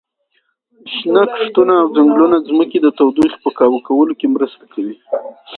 شنه کښتونه او ځنګلونه د ځمکې د تودوخې په کابو کولو کې مرسته کوي.